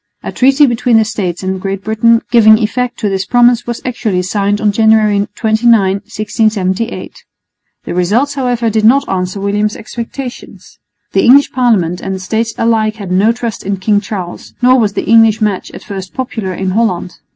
A treaty between the States and Great Britain giving effect to this promise was actually signed on January 29, 1678. The results, however, did not answer William's expectations. The English Parliament and the States alike had no trust in King Charles, nor was the English match at first popular in Holland.